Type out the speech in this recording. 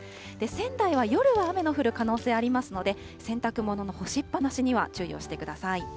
仙台は夜は雨の降る可能性ありますので、洗濯物の干しっぱなしには注意をしてください。